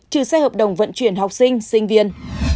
trừ xe hợp đồng vận chuyển học sinh sinh viên